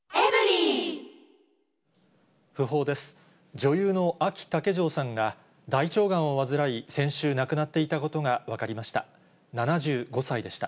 女優のあき竹城さんが、大腸がんを患い、先週亡くなっていたことが分かりました。